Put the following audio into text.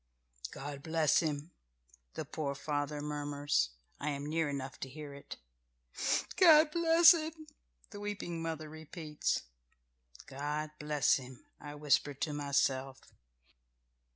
"God bless him," the poor father murmurs. I am near enough to hear it "God bless him," the weeping mother repeats. "God bless him," I whisper to myself.